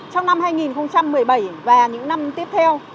trong năm hai nghìn một mươi bảy và những năm tiếp theo